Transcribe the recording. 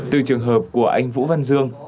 từ trường hợp của anh vũ văn dương